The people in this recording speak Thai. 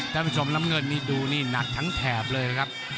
ท่านผู้ชมน้ำเงินนี่ดูนี่หนักทั้งแถบเลยนะครับ